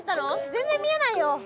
全然見えないよ。